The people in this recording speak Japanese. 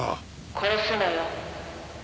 「殺すのよ」